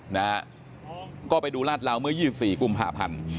นะฮะก็ไปดูราดเหลาเมื่อยี่สิบสี่กุมหาพันธุ์